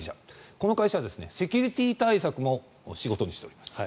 この会社はセキュリティー対策も仕事にしております。